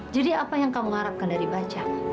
jadi apa yang kamu harapkan dari bajak